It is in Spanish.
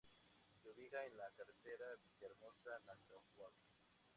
Se ubica en la carretera Villahermosa-Nacajuca.